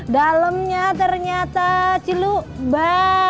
dalemnya ternyata ciluba